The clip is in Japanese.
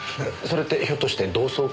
それってひょっとして同窓会の？